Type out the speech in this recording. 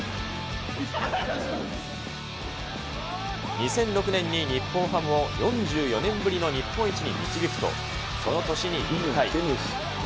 ２００６年に日本ハムを４４年ぶりの日本一に導くと、その年に引退。